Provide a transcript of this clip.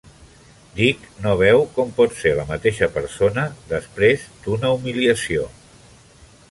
Dick no veu com pot ser la mateixa persona després d'una humiliació.